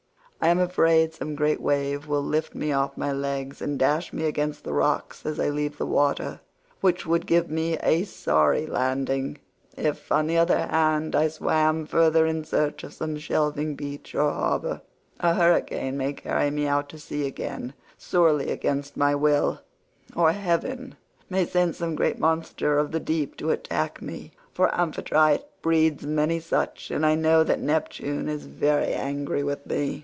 I am afraid some great wave will lift me off my legs and dash me against the rocks as I leave the water—which would give me a sorry landing. If, on the other hand, I swim further in search of some shelving beach or harbour, a hurricane may carry me out to sea again sorely against my will, or heaven may send some great monster of the deep to attack me; for Amphitrite breeds many such, and I know that Neptune is very angry with me."